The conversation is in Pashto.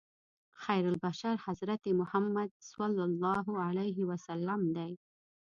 خیرالبشر حضرت محمد صلی الله علیه وسلم دی.